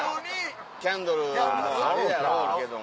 キャンドルもあるやろうけども。